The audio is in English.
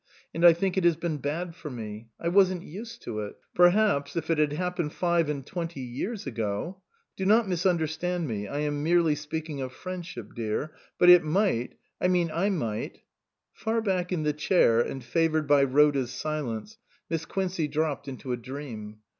And I think it has been bad for me. I wasn't used to it. Perhaps, if it had happened five and twenty years ago Do not misunderstand me, I am merely speaking of friendship, dear ; but it might I mean I might " Far back in the chair and favoured by Rhoda's silence, Miss Quincey dropped into a dream.